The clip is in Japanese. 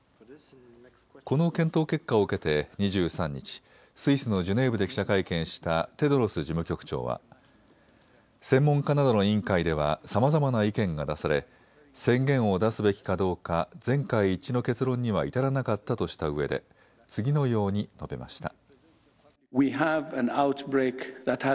この検討結果を受けて２３日、スイスのジュネーブで記者会見したテドロス事務局長は専門家などの委員会ではさまざまな意見が出され宣言を出すべきかどうか全会一致の結論には至らなかったとしたうえで次のように述べました。